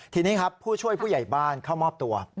ทีนี้ครับผู้ช่วยผู้ใหญ่บ้านเข้ามอบตัว